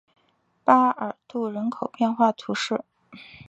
巴尔杜人口变化图示